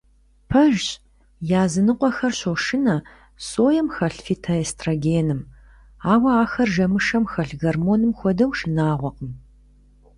Пэжщ, языныкъуэхэр щошынэ соем хэлъ фитоэстрогеным, ауэ ахэр жэмышэм хэлъ гормоным хуэдэу шынагъуэкъым.